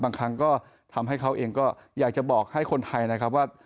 บางครั้งก็ทำให้เขาเองก็อยากจะบอกให้คนไทยนะครับว่า